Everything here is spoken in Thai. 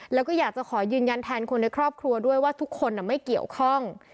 แล้วก็อยากจะขอยืนยันแทนคนในครอบครัวด้วยว่าทุกคนไม่เกี่ยวข้อง